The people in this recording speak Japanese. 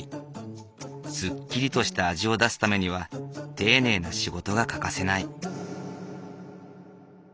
スッキリとした味を出すためには丁寧な仕事が欠かせない。